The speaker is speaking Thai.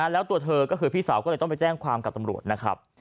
แล้วตัวเธอก็คือพี่สาวก็เลยต้องไปแจ้งความกับตำรวจนะครับ